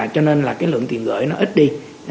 cho nên là cái lượng tiền gửi nó ít đi